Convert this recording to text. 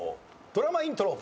ドラマイントロ。